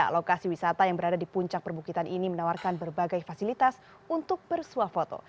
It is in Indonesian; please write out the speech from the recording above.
lokasi wisata yang berada di puncak perbukitan ini menawarkan berbagai fasilitas untuk bersuah foto